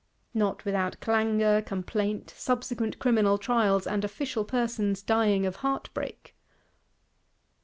Not without clangour, complaint; subsequent criminal trials, and official persons dying of heartbreak!